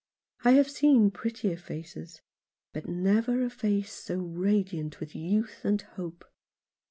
" I have seen prettier faces — but never a face so radiant with youth and hope.